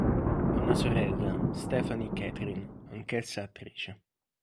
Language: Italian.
Ha una sorella, Stephanie Katherine, anch'essa attrice.